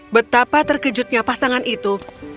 betapa terkejutnya pasangan itu